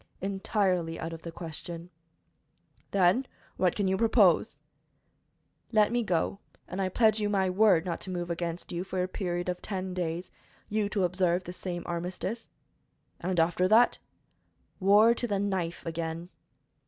"Entirely out of the question." "Then, what can you propose?" "Let me go, and I pledge you my word not to move against you for a period of ten days, you to observe the same armistice." "And after that?" "War to the knife again!"